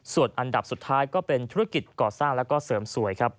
ส่วนอันดับสุดท้ายก็เป็นธุรกิจก่อสร้างแล้วก็เสริมสวยครับ